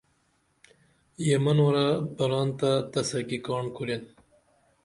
یہ منورہ بران تہ تس کی کی کاڻ کُرین